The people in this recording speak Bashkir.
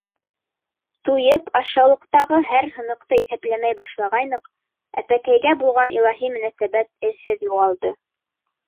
Туйып, ашъяулыҡтағы һәр һыныҡты иҫәпләмәй башлағайныҡ, әпәкәйгә булған илаһи мөнәсәбәт эҙһеҙ юғалды.